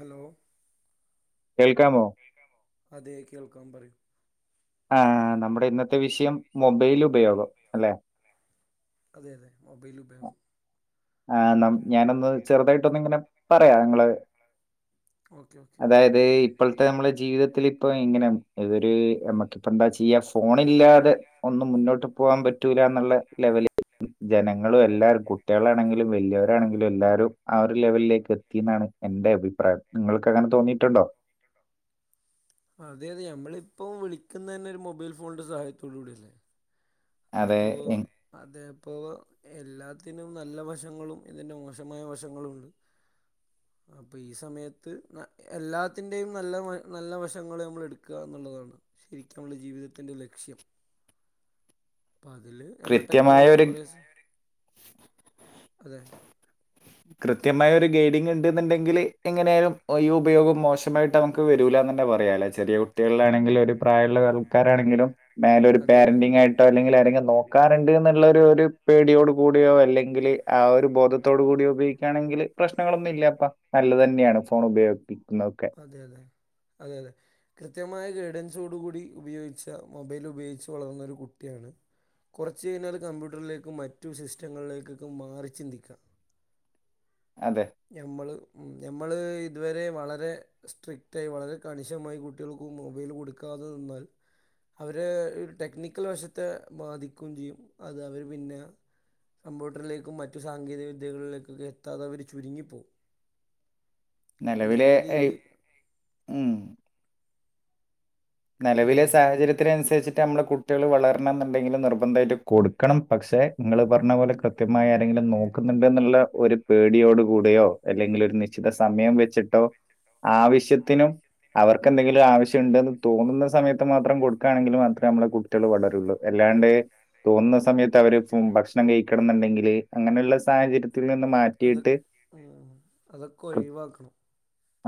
Hello കേൾക്കാമോ കേൾക്കാമോ അതെ കേൾക്കാൻ പറയു ആഹ് നമ്മുടെ ഇന്നത്തെ വിഷയം മൊബൈൽ ഉപയോഗം അല്ലെ അതെ അതെ മൊബൈല് ഉബയോഗം ആഹ് നമ് ഞാനൊന്ന് ചെറുതായിട്ട് ഒന്ന് ഇങ്ങനെ പറയാ നിങ്ങള് ഓക്കെ ഓക്കേ ഹ് ഇപ്പോഴത്തെ നമ്മുടെ ജീവിതത്തിൽ ഇപ്പ ഇങ്ങനെ ഇതൊരു നമുക്കിപ്പോ എന്താ ചെയ്യാ ഫോണില്ലാതെ ഒന്നും മുന്നോട്ട് പോകാൻ പറ്റൂല എന്നുള്ള ലെവല് ജനങ്ങളും എല്ലാരും കുട്ടികളാണെങ്കിൽ ലും വലിയരാണെങ്കിലും എല്ലാവരും ആ ഒരു ലെവലിലേക്ക് എത്തി എന്നാണ് എന്റെ അഭിപ്രായം നിങ്ങൾക്ക് അങ്ങനെ തോന്നിയിട്ടുണ്ടോ അതെ അതെ ഞമ്മളിപ്പം വിളിക്കുന്ന തന്നെ ഒരു മൊബൈൽ ഫോണിന്റെ സഹായത്തോടു കൂടിയല്ലേ അതെ അപ്പൊ എ- അതെപ്പോ എല്ലാത്തിനും നല്ല വശങ്ങളും ഇതിന്റെ മോശമായ വശങ്ങളും ണ്ട് [inaudible] അപ്പം ഈ സമയത്ത് എല്ലാത്തിൻ്റെയും നല്ല നല്ല വശങ്ങൾ നമ്മൾ എടുക്ക എന്നുള്ളതാണ് ശരിക്കാന്മളെ ജീവിതത്തിൻ്റെ ലക്ഷ്യം അപ്പ അതില് നമ്മള കൃത്യമായ ടെക്നോളജി ഒരു തായേ ഓര് അതെ കൃത്യമായ ഒരു ഗൈഡിങ് ഉണ്ടെന്നുണ്ടെങ്കിൽ എങ്ങനെയാലും ഈ ഉപയോഗം മോശമായിട്ട് ട്ട് നമുക്ക് വരൂലന്ന് തന്നെ പറയാലേ ചെയ കുട്ടികളാണെങ്കിലും ഒരു പ്രായുള്ള ആൾക്കാരാണെങ്കിലും മേല ഒരു അതെ അതെ പേരന്റിംഗ ആയിട്ടോ അല്ലെങ്കിൽ ആരെങ്കിലും നോക്കാറുണ്ട് എന്നുള്ള ഒരു പേടിയോട് കൂടിയോ അല്ലെങ്കിൽ ആഹ് ഒരു ബോധത്തോടു കൂടിയോ ഉപയോഗിക്കാണെങ്കിൽ പ്രശ്നങ്ങളൊന്നും ഇല്ലപ്പ നല്ലതന്നെയാണ് ഫോൺ ഉപയോഗിക്കുന്നതൊക്കെ അതെ അതെ അതെ അതെ കൃത്യമായ ഗൈഡൻസോടുകൂടി ഉപയോഗിച്ച് മൊബൈൽ ഉപയോഗിച്ച് വളർന്നൊരു കുട്ടിയാണ് കുറച്ച് കഴിഞ്ഞാൽ അത് കമ്പ്യൂട്ടറിലേക്കും മറ്റു സിസ്റ്റങ്ങളിലേക്കൊക്കെ മാറിച്ചിന്തിക്കാം അതെ നമ്മൾ ഉം ഞമ്മൾ ഇതുവരെ വളരെ സ്ട്രിക്റ്റ ആയി വളരെ കണിശമായി കുട്ടികൾക്ക് മൊബൈൽ കൊടുക്കാതെ നിന്നാൽ അവരെ ഒരു ടെക്നിക്കൽ വശത്തെ ബാധിക്കുകയും ചെയ്യും അത് അവർ പിന്നെ കമ്പ്യൂട്ടറിലേക്കും മറ്റു സാങ്കേതികവിദ്യകളിലേക്കൊക്കെ എത്താതവര് ചുരുങ്ങിപ്പോവും നിലവിലെ ഹെ ഐ ഉം അതെ നിലവിലെ അതെ സാഹചര്യത്തിനുസരിച്ചിട്ട് നമ്മ കു ട്ടികൾ വളരണം ന്നുണ്ടെങ്കിൽ നിർബന്ധമായിട്ട് കൊടുക്കണം പക്ഷെ നിങ്ങൾ പറഞ്ഞ പോലെ കൃത്യമായി ആരെങ്കിലും നോക്ക ക്കുന്നുണ്ട് എന്നുള്ള ഒരു പേടിയോട് കൂടയോ അല്ലെങ്കിൽ ഒരു നിശ്ചിത സമയം വെച്ചിട്ടോ ആവശ്യത്തിനും അവർക്ക്ന്തെങ്കിലും ആവശ്യംണ്ടെന്ന് തോന്നുന്ന സമയത്ത് മാത്രം കൊടുക്കണെങ്കി മാത്രേ നമ്മളെ കുട്ടിആള് വളരുള്ളൂ അല്ലാണ്ട് തോന്നുന്ന സമയത്ത് അവര് ഭക്ഷണം കഴിക്കണന്നുണ്ടെങ്കില് അങ്ങനെയുള്ള സാഹചര്യത്തിന്ന് മാറ്റിയിട്ട് മ്മ് അതൊക്കെ കൃ- ഒഴിവാക്കണം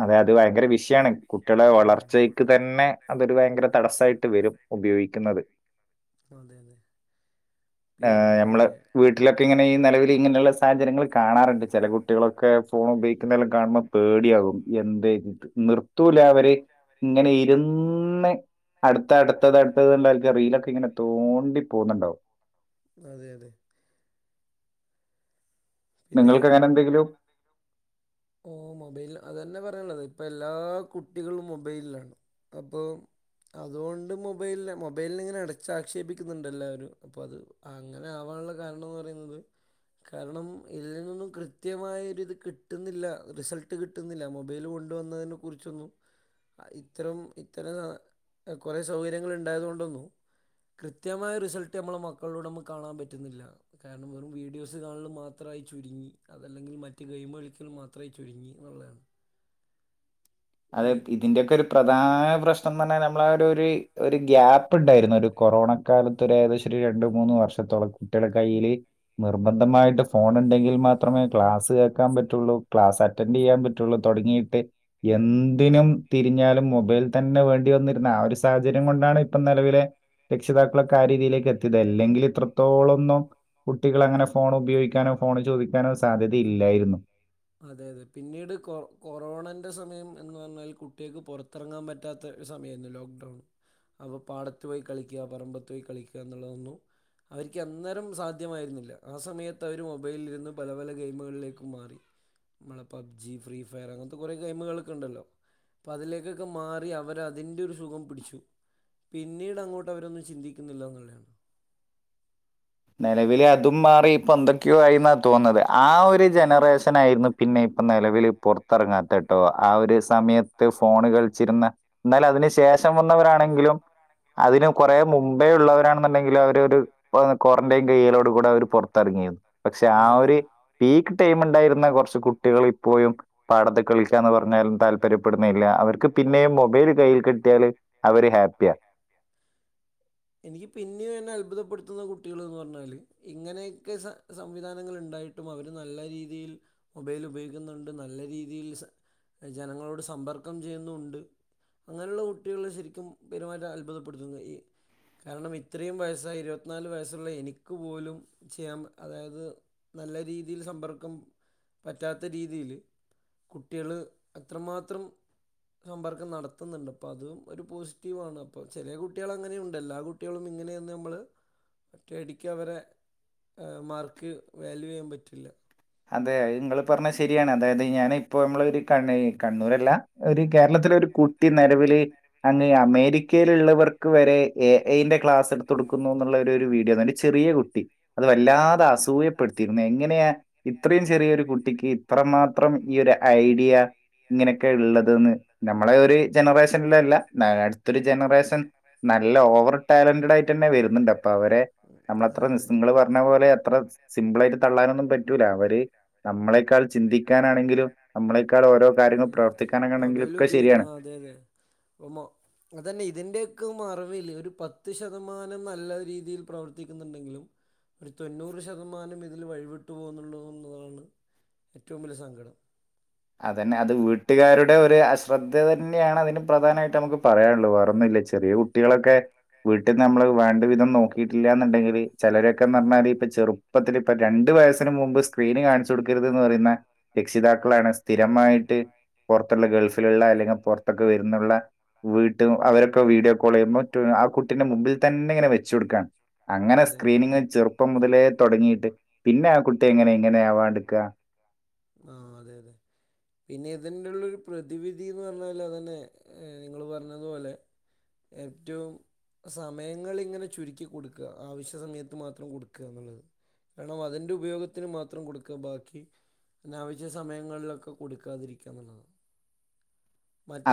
അതെ അത് ഭയങ്കര വിഷയണ് കുട്ടിഅളെ ഉം. വളർച്ചക്ക് തന്നെ അതൊരു ഭയങ്കര തടസ്സയിട്ട് വരും ഉപയോഗിക്കുന്നത് അതെ അതെ പിന്നെ നമ്മള് വീട്ടിലൊക്കെ ഇങ്ങനെഈ നിലവിൽ ഇങ്ങനെയുള്ള സാഹചര്ങ്ങൾ കാണാറുണ്ട് ചില കുട്ടികളൊക്കെ ഫോൺ ഉപയോഗിക്കുന്നെല്ലാം കാണ്പ പേടിയകും എന്ത് നിർത്തല അവര് ഇങ്ങനെ ഇന്ന് അടുത്ത അടുത്തത് അടുത്തത്ന്നെലക്ക്ക്ക്റിയിലൊക്കെ ഇങ്ങനെ തോണ്ടി പോന്നുണ്ടാവോ അതെ അതെ പിന്നെ നിങ്ങൾക്ക് അങ്ങനെ എന്തെങ്കിലും ഓ മൊബൈല അതന്നെ പറയാനുള്ളത് ഇപ്പൊ എല്ലാ കുട്ടികളും മൊബൈലിലാണ് അപ്പൊ അതുകൊണ്ട് മൊബൈല മൊബൈലിന ഇങ്ങനെ അടച്ച ആക്ഷേപിക്കുന്നുണ്ടെല്ലാവരും അപ്പോ അത് അങ്ങനെ ആവാനുള്ള കാരണന്ന്റയുന്നത് കാരണം ഇല്ല നിന്നും കൃത്യമായൊരു ഇത് കിട്ട കിട്ടുന്നില്ല റിസൾട്ട് കിട്ടുന്നില്ല മൊബൈൽ കൊണ്ടുവന്നതിനെ കുറിച്ചൊന്നും ഇത്തരം ഇത്തരം കുറെേ സൗകര്യങ്ങള് ഉണ്ടായതോണ്ടന്നു കൃത്യമായ റിസൾട്ട് നമ്മള മക്കളോടൊമ്മൾകാണാ പറ്റുന്നില്ല കാരണം വെറും വീഡിയോസ് കാണല് മാത്രമായി ചുരുങ്ങി അതല്ലെങ്കിൽ മറ്റ ഗെയിമകളി മാത്രയി ചുരുങ്ങി എന്നുള്ളണ് അതെ പ ഇ ഇതിന്റെയൊക്കെരു പ്രധാന പ്രശ്നം ന്ന് പറഞ്ഞാ നമ്മള ഒരു ഒരു ഒരു ഗ്യാപ്പ് ഉണ്ടായിരുന്നു ഒരു കൊറോണ കാലത്ത് ഒരു ഏകദേശം ഒരു രണ്ടു മൂന്ന വർഷത്തോളം കുട്ടിയളെ കയ്യിയില് നിർബന്ധമായിട്ട് ഫോൺ ഉണ്ടെങ്കി മാത്രമേ ക്ലാസ്സ് കേൾക്കാൻ പറ്റുള്ളൂ ക്ലാസ് അറ്റൻഡ് ചെയ്യാൻ പറ്റള്ളൂ തുടങ്ങിയിട്ട് എന്തിനും തിരിഞ്ഞാലും മൊബൈൽ തന്നെ വേണ്ടി വന്നിരുന്ന ആ ഒരു സാഹചര്യം കൊണ്ടാണ് ഇപ്പം നിലവിലെ രക്ഷിതാക്കള ആ രീതിയിലേക്ക് എത്തിയത് അല്ലെങ്കില് ഇത്രത്തോളന്നോ കുട്ടികൾ അങ്ങനെ ഫോൺ ഉപയോഗിക്കാനോ ഫോൺ ചോദിക്കാനോ സാധ്യതയില്ലായിരുന്നു അതെ അതെ പിന്നീട് കൊ കൊറോണന്റെ സമയം എന്ന് പറഞ്ഞാൽ കുട്ടിആക്ക് പുറത്തിറങ്ങാൻ പറ്റ പറ്റാത്ത സമയന്ന് ലോക്ക്ഡൗൺ അപ്പ പാടത്തു പോയി കളിക്ക പറമ്പത്ത് പോയി കളിക്ക എന്നുള്ളതൊന്നു അവർക്ക് അന്നേരം സാധ്യമായിരുന്നില്ല ആ സമയത്ത് അവർ മൊബൈലിന്ന് പല പല ഗെയിമുകളിലേക്കും മാറി നമ്മളെ പബ്ജി ഫ്രീ ഫയർ അങ്ങനത്തെ കുറെേ ഗെയിമുകളൊക്കെണ്ടല്ലോ അപ്പ അതിലേക്കൊക്കെ മാറി അവർ അതിൻ്റെ ഒരു സുഖം പിടിച്ചു പിന്നീട് അങ്ങോട്ട് അവരൊന്നും ചിന്തിക്കുന്നില്ല എന്നുള്ളണ് നിലവില അതും മാറി ഇപ്പൊ എന്തൊക്കെയോ ആയി എന്നാ തോന്നുന്നത് ആ ഒരു ജനറേഷൻ നായിരുന്നു പിന്നെ ഇപ്പ നിലവിൽ പുറത്ത് ഇറങ്ങാത്തട്ടോ ആ ഒരു സമയത്ത് ഫോണ് കളിച്ചിരുന്ന എന്നാൽ അതിന് ശേഷം വന്നവരാണെങ്കിലും അതിന് കൊറ മുമ്പേ ഉള്ളവരാെന്നുണ്ടെങ്കിലും അവരൊരു ഇ ക്വാറന്റൈൻ കയ്യിലോട് കൂടെ അവര് പുറത്തിറങ്ങിയിയത് പക്ഷെ ആ അതെ അതെ ഒരു പീക്ക് ടൈം ഉണ്ടായിരുന്ന കുറച്ച് കുട്ടികള് ഇപ്പോഴും പാടത്ത് കളിക്കാന്ന് പറഞ്ഞാലും താല്പര്യപ്പെടുന്നല്ല അവർക്ക് പിന്നെയും മൊബൈല് കയ്യിൽ കിട്ടിയാല് അവര് ഹാപ്പിയാ എനിക്ക് പിന്നെയും എന്നെ അത്ഭുതപ്പെടുത്തുന്ന കുട്ടികള് എന്ന് പറഞ്ഞാല് ഇങ്ങനെക്കെ സ സംവിധാനങ്ങള്ണ്ടായിട്ടും അവര് നല്ല രീതിയിൽ മൊബൈല് ഉപയോഗിക്കുന്നുണ്ട് നല്ല രീതിയിൽ സ ജനങ്ങളോട് സമ്പർക്കം ചെയ്യുന്നുണ്ട് അങ്ങനെയുള്ള കുട്ടികളെ ശരിക്കും പെരുമാറ്റം അത്ഭുതപ്പെടുത്തുന്ന ഈ കാരണം ഇത്രയും വയസ്സായി ഇരുപത്തിനാല് വയസ്സുള്ള എനിക്ക് പോലും ചെയ്യാൻ അതായത് നല്ല രീതിയിൽ സമ്പർക്കം പറ്റാത്ത രീതിയില് കുട്ടികള് അത്രമാത്രം സമ്പർക്കം നടത്തുന്നുണ്ട് അപ്പൊ അതും ഒരു പോസിറ്റീവ് ആണ് അപ്പ ചെലെ കുട്ടികള് അങ്ങനെ ണ്ട് എല്ലാ കുട്ടികളും ഇങ്ങനെയെന്ന് നമ്മള് ഒറ്റ അടിക്ക് അവരെ ഏഹ് മാർക്ക് വാല്യൂ ചെയ്യാൻ പറ്റില്ല അതെ അത് നിങ്ങള് പറഞ്ഞ ശരിയാണ് അതായത് ഞാനെ ഇപ്പോ നമ്മളൊരു കണ്ണ് കണ്ണൂരല്ല ഒരു കേരളത്തിലെ ഒരു കുട്ടി നെലവില് അങ്ങ് അമേരിക് ക്കേലുള്ളവർക്ക് വരെ എ എ യ് ന്റെ ക്ലാസ് എടുത്തു കൊടുക്കുന്നു എന്നുള്ള ഒരു ഒരു വീഡിയോ ദാന്റെ ചെറിയ കുട്ടി അത് വല്ലാതെ അസൂയപ്പെടുത്തിയിരുന്നു എങ്ങനെയാ ഇത്രയും ചെറിയൊരു കുട്ടിക്ക് ഇത്രമാത്രം ഈ ഒരു ഐഡിയ ഇങ്ങനെക്കെ ഇള്ളതെന്ന് നമ്മളെ ഒരു ജനറേഷനില് അല്ല നാ അടുത്തൊരു ജനറേഷൻ നല്ല ഓവറ് ടാലന്റഡ് ആയിട്ട് തന്നെ വരുന്നുണ്ട് അപ്പോ അവരെ നമ്മളത്ര അതെ അതെ നിസ്സങ്ങള് എന്ന പോലെ എത്ര സ് സിമ്പിൾ ആയിട്ട് തള്ളാനൊന്നും പറ്റ് റ്റൂല്ല അവര് നമ്മളെക്കാൾ ചിന്തിക്കാനാണെങ്കിലും നമ്മളെക്കാൾ ഓരോ കാര്യങ്ങൾ പ്രവർത്തിക്ക് മൊബൈൽ ഉപയോഗിക്ക് അഹ് അതെ അതെ ഇപ്പോ മൊ അതന്നെ ഇതിന്റെക്ക മറവില് ഒരു പത്ത് ശതമാനം നല്ല രീതിയിൽ പ്രവർത്തിക്കുന്നുണ്ടെങ്കിലും ഒരു തൊണ്ണൂറ് ശതമാനം ഇതിൽ വഴിവിട്ടു പോകുന്നുള്ളൂ എന്നതാണ് ഏറ്റവും വലിയ സങ്കടം അതന്നെ അത് വീട്ടുകാരുടെ ഒരു അശ്രദ്ധ തന്നെയാണ് അതിനും പ്രധാനായിട്ട് നമുക്ക് പറയാനുള്ളൂ വേറെ ഒന്നും ഇല്ലേച്ച് ചെറിയ കുട്ടികളൊക്കെ വീട്ടിൽ നമ്മള് വേണ്ട വിധം നോക്കിയിട്ടില്യ എന്നുണ്ടെങ്കില് ചെലരൊക്കെന്ന് ഉം. പറഞ്ഞാല് ഇപ്പ ചെറു പ്പത്തില് ഇപ്പ രണ്ടു വയസിന് മുമ്പ് സ്ക്രീന് കാണിച്ചു കൊടുക്കരുത് എന്ന് പറയുന്ന രക്ഷിതാക്കളാണ് സ്ഥിരമായിട്ട് പുറത്തുള്ള ഗൾഫിലുള്ള അല്ലെങ്കി പുറത്തൊക്കെ വരുന്നുള്ള വീട്ടും അവരൊക് ക്കെ വീഡിയോ കോള് ചെയ്യുമ്പറ്റും ആ കുട്ടിന്റെ മുമ്പിൽ തന്നെ ഇങ്ങനെ വെച്ചുകൊടുക്കാണ് അങ്ങനെ അതെ അതെ സ്ക്രീനിങ്ങ് ചെറുപ് പ്പം മുതലേ തൊടങ്ങിട്ട് പിന്നെ ആ കുട്ടി എങ്ങനെ ഇങ്ങനെ ആവാണ്ട്ക്ക ആഹ് അതെ അതെ പിന്നെ ഇതിന്നുള്ളൊരു പ്രതിവിധിന്ന് പറഞ്ഞാല് അതന്നെ ഏഹ് നിങ്ങള് പറഞ്ഞതുപോലെ ഏറ്റവും സമയങ്ങളിങ്ങനെ ചുരുക്കി കൊടുക്കുക ആവശ്യ സമയത്ത് മാത്രം കൊടുക്കുക എന്നുള്ളത് കാരണം അതിന്റെ ഉപയോഗത്തിന് മാത്രം കൊടുക്കുക ബാക്കി അനാവശ്യ സമയങ്ങളിലൊക്കെ കൊടുക്കാതിരിക്കുക എന്നുള്ളതാണ്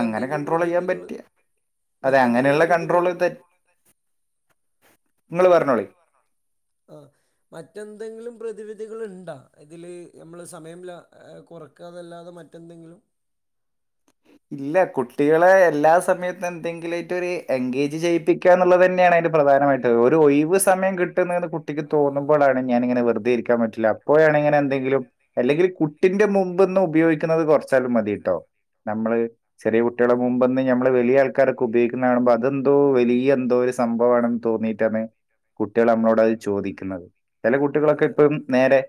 അങ്ങനെ കണ്ട്രോള് ചെയ്യാൻ പ്രതിവിധികൾ പറ്റിയ അതെ മറ്റെന്തെങ്കിലും അങ്ങനെയുള്ള കൺണ്ട്രോള് തെ പ്രതിവിധികൾ ഇങ്ങള് പറഞ്ഞോളി പറഞ്ഞോളി അഹ് മറ്റെന്തെങ്കിലും പ്രതിവിധികള്ണ്ടാ ഇതില് നമ്മള് സമയം ല ഏഹ് കുറക് ക്കാതല്ലാത മറ്റെന്തെങ്കിലും ഇല്ല കുട്ടികളെ എല്ലാ സമയത്തും എന്തെങ്കിലും ആയിട്ട് ഒരു എൻഗേജ് ചെയ്പ് പ്പിക്ക എന്നുള്ളത് തന്നെയാണ് അതിന് പ്രധാനമായിട്ട് ഒരു ഒഴിവ് സമയം കിട്ടുന്നതെന്ന് കുട്ടിക്ക് തോന്നുമ്പോളാണ് ഞാനിങ്ങനെ വെറുതെ ഇരിക്കാൻ പറ്റില്ല അപ്പോഴാണ് ഇങ്ങനെ എന്തെങ്കിലും അല്ലെങ്കില് കുട്ടിന്റെ മുമ്പ്ന്ന് ഉപയോഗിക്കുന്നത് കുറച്ചാലും മതിട്ടോ നമ്മള് ചെറിയ കുട്ടികളെ മുമ്പ്ന്ന് ഞമ്മള് വലിയ ആൾക്കാരൊക്കെ ഉപയോഗിക്കുന്ന കാണുമ്പ അതെന്തോ വലിയ എന്തോ ഒരു സംഭവാണെന്ന് തോന്നീ ട്ടി ആണ് കുട്ടിയള് അമ്മളോട് അത് ചോദിക്ക്ന്നത് ചെല ആഹ് കുട്ടികളൊക്കെ അതെ ഇപ്പഴും നേരെ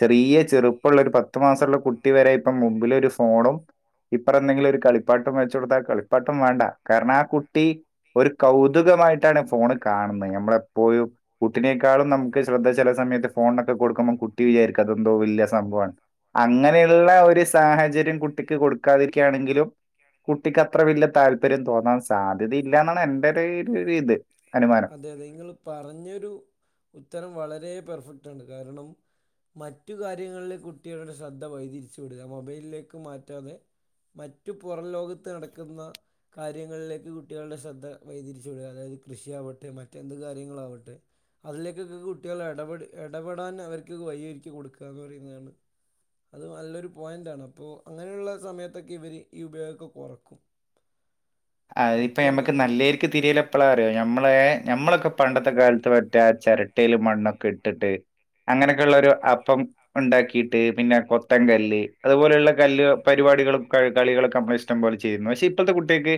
ചെറിയ ചെറുപ്പള്ള ഒരു പത്തു മാസള്ള കുട്ടി വരെ ഇപ്പം മുമ്പിലൊരു ഫോണും ഇപ്പറം എന്തെങ്കിലും ഒരു കളിപ്പാട്ടം വെച്ച് ഒട്ത്താ കളിപ്പാട്ടം വേണ്ട കാരണം ആ കുട്ടി ഒരു കൗതുകമായിട്ടാണ് ഫോണ് കാണ്ന്നെ നമ്മളെപ്പോഴും കുട്ടിനേക്കാളും നമ്മുക്ക് ശ്രദ്ധ ചെല സമയത്ത് ഫോണ്നൊക്കെ കൊടുക്കുമ്പം കുട്ടി വിചാരിക്കും അതെന്തോ വല്ല്യ സംഭവാണ് അങ്ങനെയുള്ള ഒരു സാഹചര്യം കുട്ടിക്ക് കൊടുക്കാതിരിക്ക ആണെങ്കിലും കുട്ടിക്ക് അത്ര വല്ല എന്റെ ഒരു ഒരു ഇത് അനുമാനം. അതെ അതെ ഇങ്ങളും പറഞ്ഞൊരു ഉത്തരം വളരെ പെർഫെക്റ്റാണ് കാരണം മറ്റു കാര്യങ്ങളില് കുട്ടികളുടെ ശ്രദ്ധ വൈതിരിച്ചു വിടുക മൊബൈലിലേക്ക് മാറ്റാതെ മറ്റു പൊറം ലോകത്ത് നടക്കുന്ന കാര്യങ്ങളിലേക്ക് കുട്ടികളുടെ ശ്രദ്ധ വൈതിരിച്ചു വിട്അ അതായത് കൃഷിയാവട്ടെ മറ്റെന്ത് കാര്യങ്ങളാവട്ടെ അതിലേക്കൊക്കെ കുട്ടികള് എടപെട് എടപെടാൻ അവര്ക്ക് വയ്യൊര്ക്കി കൊട്ക്കാന്ന് പറയ്ന്നതാണ് അത് നല്ലൊരു പോയന്റാണ് അപ്പോ അങ്ങനെയുള്ള സമയത്തൊക്കെ ഇവര് ഈ ഉപയോഗൊക്കെ കൊറക്കും അത്പ്പം ഞമ്മക്ക് നല്ലേര്ക്ക് തിര്യേല് എപ്പളാറ്യോ ഞമ്മളെ ഞമ്മളൊക്കെ പണ്ടത്തെ കാൽത്ത് ട്ടാ ചെരെട്ടേല് മണ്ണൊക്കെ ഇട്ട്ട്ട് അങ്ങെനെക്കെള്ളെരു അപ്പം ഉണ്ടാക്കീട്ട് പിന്നെ കൊത്തം കല്ല് അതുപോലെയുള്ള കല്ല് പരിപാടികളും കയ് കളികളൊക്കെ അമ്മള് ഇഷ്ടംപോലെ ചെയ്യുന്നു പക്ഷെ ഇപ്പൾത്തെ കുട്ട്യേക്ക്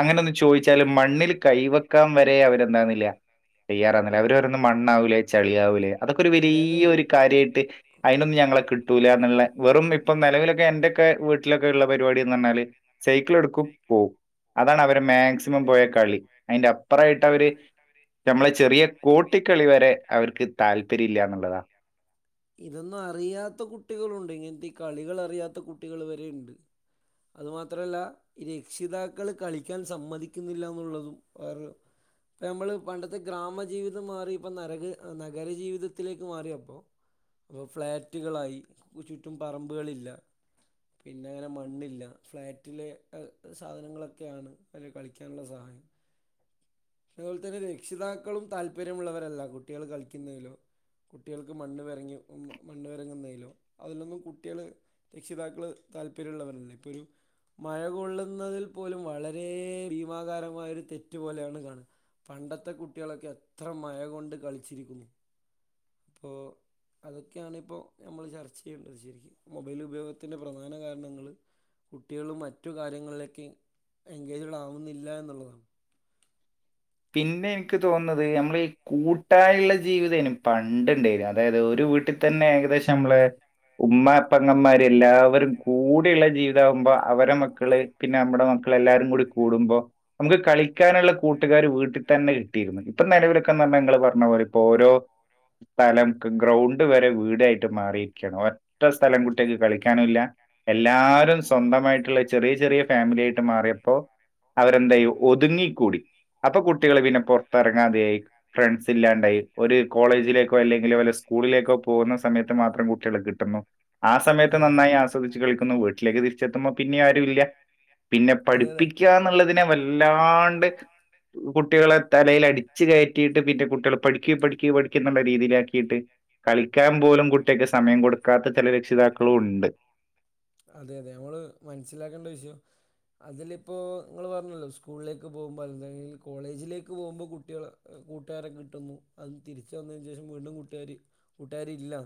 അങ്ങനൊന്ന് ചോയ്ച്ചാല് മണ്ണ്ല് കൈ വെക്കാം വരെ അവരെന്താവ്ന്നില്ല തയ്യാറാവ്ന്നില്ല അവര് പറിന്നേ മണ്ണാവൂലേ ചള്യാവൂലേ അതൊക്കൊര് അതായത് വെലിയ ഒര് കാര്യായിട്ട് അയ്നൊന്നും ഞങ്ങളെ കിട്ടൂലാന്ന്ള്ളെ വെറും ഇപ്പം നെലവിലൊക്കെ എന്റൊക്കെ വ് ട്ട്ലൊക്കെ ഇള്ള പരിപാടിന്ന് അർഞ്ഞാല് സൈക്കിള്ട്ക്കും പോവും അതാണ് അവരെ മാക്സിമം പോയാ കളി അയ്ന്റെ അപ്പറായിട്ടവര് നമ്മളെ ചെറിയ കോട്ടിക്കളി വെരെ അവര്ക്ക് താല്പര്യല്ല്യാന്ന്ള്ളതാ ഇതൊന്നും അറിയാത്ത കുട്ടികളുണ്ട് ഇങ്ങെൻത്തീ കളികളറിയാത്ത കുട്ടികൾ വരേണ്ട് അത് മാത്ര എല്ലാ രെക്ഷിതാക്കള് കളിക്കാൻ സമ്മതിക്ക്ന്നില്ലാന്നുള്ളതും വേറൊരു പ്പ ഞമ്മള് പണ്ടെത്തെ ഗ്രാമജീവിതം മാറി ഇപ്പം നരക നഗരജീവിതത്തിലേക്ക് മാറിയപ്പം പ്പം ഫ്ളാറ്റ്കളായി കു ചുറ്റും പറമ്പ്കളില്ല പിന്നെ അങ്ങെനെ മണ്ണില്ല ഫ്ളാറ്റിലെ എഹ് സാധനങ്ങളൊക്കെയാണ് അയ്ല് കളിക്കാന്ള്ള സഹായം അതേപോൽ തന്നെ രെക്ഷിതാക്കളും താല്പര്യമുള്ളവരല്ല കുട്ടികള് കളിക്കുന്നേലാേ കുട്ടികൾക്ക് മണ്ണ് വെരങ്ങി ഉമ് മണ്ണ് വെരങ്ങുന്നയ്ലോ അതിലൊന്നും കുട്ട്യേള് രെക്ഷിതാക്കള് താല്പര്യള്ളവരെല്ല ഇപ്പൊരു മഴ കൊള്ളുന്നതിൽ പോലും വളരേ ഭീമാകാരമായൊര് തെറ്റ് പോലെയാണ് കാണാ പണ്ടത്തെ കുട്ട്യേളൊക്കെ എത്ര മഴകൊണ്ട് കളിച്ചിരിക്കും ഇപ്പാേ അതൊക്കെയാണ് ഇപ്പോ ഞമ്മള് ചർച്ച ചെയ്യേണ്ടത് ശെരിക്കും മൊബൈല് ഉപയോഗത്തിൻ്റെ പ്രധാന കാരണങ്ങള് കുട്ട്യേള് മറ്റു കാര്യങ്ങളിലേക്ക് എൻഗേജ്ഡ് ആവുന്നില്ല എന്ന്ള്ളതാണ് പിന്നെ ഇൻക്ക് തോൺന്നത് ഞമ്മള് ഈ കൂട്ടായ്ള്ള ജീവിതേനി പണ്ട്ണ്ടേ [unintelligible] അതായത് ഒരു വീട്ട് തന്നെ ഏകദേശം അമ്മള് ഉമ്മ പെങ്ങമാര് എല്ലാവരും കൂടിള്ള ജീവിതാവുമ്പം അവരെ മക്കള് പിന്നെ അമ്മ്ടെ മക്കള് എല്ലാരും കൂടി കൂടുമ്പോ അമ്ക്ക് കളിക്കാന്ള്ള കൂ ട്ട്കാര് വീട്ട് തന്നെ കിട്ടീര്ന്ന് ഇപ്പം നെലവിലൊക്കെന്നർഞ്ഞാ ഇങ്ങെള് പർഞ്ഞപോലെ ഇപ്പോരോ സ്ഥലം ക് ഗ്രൗണ്ട് വരെ വീടായിട്ട് മാറിയിര്ക്ക്യാണ് ഒറ്റ സ്ഥലം കുട്ട്യേക്ക് കളിക്കാനുംല്ല എല്ലാരും സ്വന്തമായ്ട്ട്ള്ള ചെറിയ ചെറിയ ഫാമിലിയായിട്ട് മാറ്യപ്പൊ അവരെന്തെയ്യും ഒത്ങ്ങി കൂടി അപ്പം കുട്ട്യേള് പിന്നെ പൊർത്തെർങ്ങാത്യായ് ഫ്രൺസില്ലാണ്ടായി ഒര് കോളേജിലേക്കോ എല്ലെങ്കിൽലോലെ സ് കൂള്ലേക്കോ പോവുന്ന സമയത്ത് മാത്രം കുട്ട്യേളെ കിട്ടുന്നു ആ സമയത്ത് അതെ അതെ നന്നായി ആസ് സ്വദിച്ച് കളിക്കുന്നു വീട്ടിലേക്ക് തിരിച്ചെത്തുമ്പം പിന്നിം അ ട്ട്ല്ല്യ പിന്നെ അതെ അതെ പഠിപ്പിക്കാന്ന്ള്ളതിനെ വല്ലാണ്ട് കുട്ടികളെ തലേല് അടിച്ച് കയറ്റീട്ട് പിന്നെ കുട്ട്യേള് പഠിക്ക് പഠിക്ക് പഠിക്ക്ന്ന്ള്ളെ രീതീലാക്കീട്ട് കളിക്കാൻ പോലും കുട്ട്യേക്ക് സമയം കൊടുക്കാത്ത ചെല രെക്ഷിതാക്കളുണ്ട് അതെ അതെ നമ്മള് മൻസ്സിലാക്കേണ്ട വിഷയം അതിലിപ്പോ ഇങ്ങള് പറഞ്ഞല്ലോ സ്കൂളിലേക്ക് പോകുമ്പോ അല്ലെങ്കിൽ കോളേജില ക്ക് പോകുമ്പോ കുട്ട്യാളെ കൂട്ടാരെ കിട്ടുന്നു അത് തിരിച്ചു വന്നതിന് ശേഷം വീണ്ടും കൂട്ടാരി കൂട്ടുകാരില്ല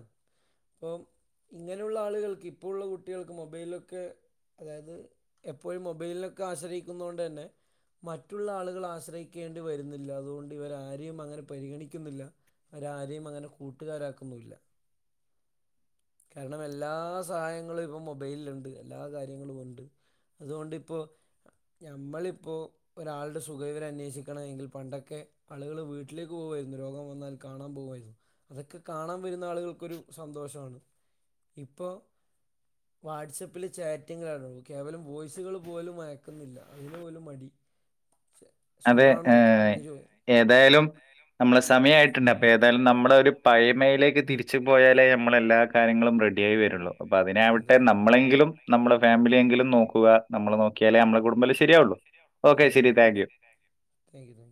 പ്പം ഇങ്ങനെ ഉള്ള ആള്കൾക്ക് ഇപ്പോളുള്ള കുട്ടികൾക്ക് മൊബൈലിലൊക്കെ അതായത് എപ്പോഴും മൊബൈൽലാെക്കെ ആശ്രയികുന്നോണ്ട് തന്നെ മറ്റുള്ള ആള്കള് ആശ്രയിക്ക കേണ്ടി വരുന്നില്ല അതുകൊണ്ട് ഇവരെ ആരെയും അങ്ങെനെ പരിഗണിക്ക്ന്നില്ല അവരാരെയും അങ്ങനെ കൂട്ടുകാരാക്കൊന്നൂല്ല കാര്ണം എല്ലാ സഹായങ്ങളും ഇപ്പം മൊബൈൽണ്ട് എല്ലാ കാര്യങ്ങളും ഉണ്ട് അതുകൊണ്ടിപ്പോ ഞമ്മളിപ്പോ ഒരാള്ടെ സുഖ വിവര അന്നേഷി ക്കണമെങ്കിൽ പണ്ടൊക്കെ ആള്കള് വീട്ടിലേക്ക് പോകുവായിര്ന്നു രോഗം വന്നാൽ കാണാൻ പോകുമായിരുന്നു അതൊക്കെ കാണാൻ വരുന്ന ആളുകൾക്കൊരു സന്തോഷമാണ് ഇപ്പോ [unintelligible] വാട്സാപ്പിൽ ചാറ്റിങ്ങാണ് കേവലം വോയിസുകൾ പോലും അയക്കുന്നില്ല അതിനു പോലും മടി അതെ ഏ സുഖാണോ എന്ന് ചോ ഏതായാലും നമ്മളെ സമയമായിട്ട്ണ്ട് അപ്പൊ ഏ ഏതായാലും നമ്മുടെ ഒരു പഴമയിലേക്ക് തിരിച്ചു പോയാലേ നമ്മളെല്ലാരും കാര്യങ്ങളും റെഡിയായി വരുള്ളൂ അപ്പോൾ അതിനാവട്ടെ നമ്മളെങ്കിലും നമ്മുടെ ഫാമിലിയെങ്കിലും നോക്കുക ഞമ്മള് നോക്കിയാലേ നമ്മളെ കുടുംബല്ലാം ശരിയാവുള്ളൂ ഓക്കെ ശരി താങ്ക് യു താങ്ക്യൂ